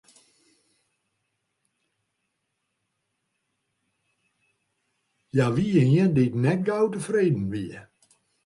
Hja wie ien dy't net gau tefreden wie.